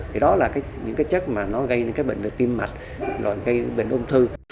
thì đó là những cái chất mà nó gây đến các bệnh tim mạch loại gây đến bệnh ung thư